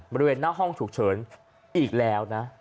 บริเวณหน้าห้องฉุกเฉินอีกแล้วนะ